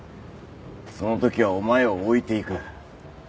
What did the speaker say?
そのときはお前を置いていく。